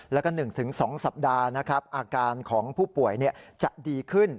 แล้วก็๑๒สัปดาห์นะครับอาการของผู้ป่วยจะดีขึ้น